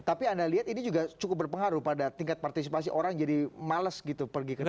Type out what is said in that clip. tapi anda lihat ini juga cukup berpengaruh pada tingkat partisipasi orang jadi males gitu pergi ke jakarta